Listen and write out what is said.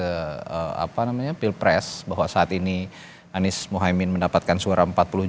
itu yang kita lihat di pilpres bahwa saat ini anies mohaimin mendapatkan suara empat puluh sembilan ratus tujuh puluh sembilan ratus enam